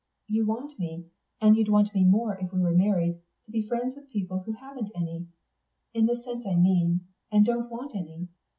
You want me, and you'd want me more if we were married, to be friends with people who haven't any, in the sense I mean, and don't want any.